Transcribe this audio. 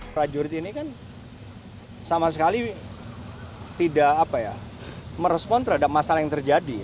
prajurit ini kan sama sekali tidak merespon terhadap masalah yang terjadi